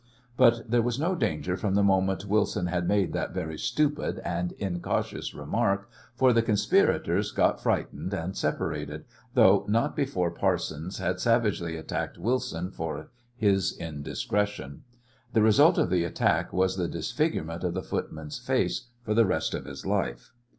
But there was no danger from the moment Wilson had made that very stupid and incautious remark for the conspirators got frightened and separated, though not before Parsons had savagely attacked Wilson for his indiscretion. The result of the attack was the disfigurement of the footman's face for the rest of his life.